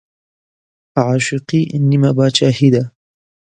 عاشقي نيمه باچاهي ده